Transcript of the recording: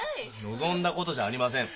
望んだことじゃありません。